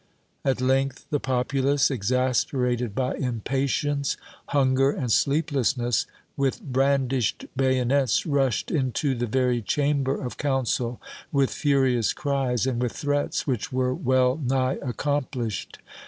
At length the populace, exasperated by impatience, hunger and sleeplessness, with brandished bayonets rushed into the very chamber of council, with furious cries, and with threats which were well nigh accomplished.